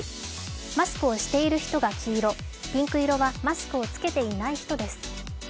マスクをしている人が黄色、ピンク色はマスクを着けていない人です。